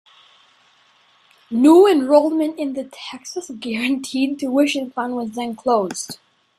New enrollment in the Texas Guaranteed Tuition Plan was then closed.